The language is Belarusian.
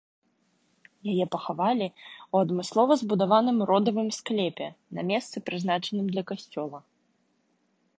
Яе пахавалі ў адмыслова збудаваным родавым склепе, на месцы прызначаным для касцёла.